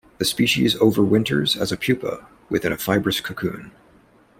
The species overwinters as a pupa within a fibrous cocoon.